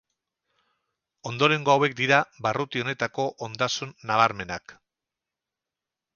Ondorengo hauek dira barruti honetako ondasun nabarmenak.